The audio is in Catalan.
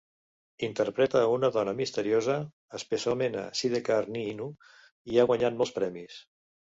Interpreta a una dona misteriosa, especialment a "Sidecar ni inu" i ha guanyat molts premis.